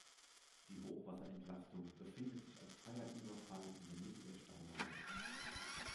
Die Hochwasserentlastung befindet sich als freier Überfall in der Mitte der Staumauer.